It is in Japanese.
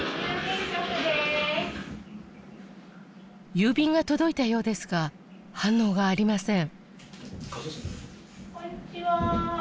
・郵便が届いたようですが反応がありません